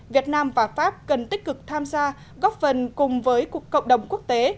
việt nam và pháp cần tích cực tham gia góp phần cùng với cộng đồng quốc tế